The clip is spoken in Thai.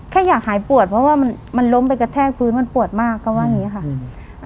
แค่อยากหายปวดเพราะว่ามันมันล้มไปกระแทกพื้นมันปวดมากเขาว่าอย่างงี้ค่ะอืม